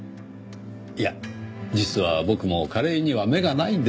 いや実は僕もカレーには目がないんですよ。